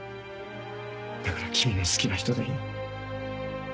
だから君の好きな人でいい。